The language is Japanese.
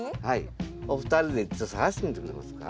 お二人で探してみてくれますか？